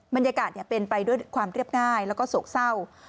บรรยากาศเป็นไปด้วยความเรียบง่ายแล้วก็โศกเศร้า